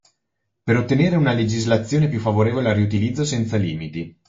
Per ottenere una legislazione più favorevole al riutilizzo senza limiti